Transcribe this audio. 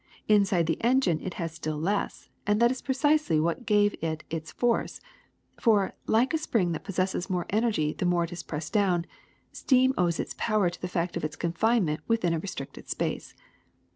Inside the engine it had still less, and that is precisely what gave it its force ; for, like a spring that possesses more energy the more it is pressed down, steam owes its power to the fact of its confinement within a restricted space.